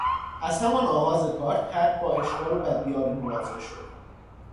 از همان آغاز کار طرح با اشکال و بدبیاری مواجه شد.